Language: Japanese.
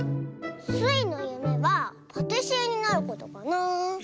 スイのゆめはパティシエになることかな。